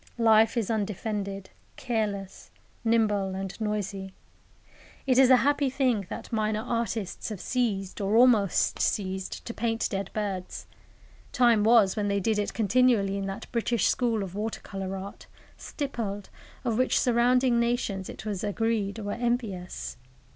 Life is undefended, careless, nimble and noisy. It is a happy thing that minor artists have ceased, or almost ceased, to paint dead birds. Time was when they did it continually in that British School of water colour art, stippled, of which surrounding nations, it was agreed, were envious.